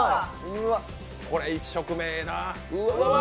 これ１食目、ええな。